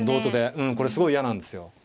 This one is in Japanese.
うんこれすごい嫌なんですよ。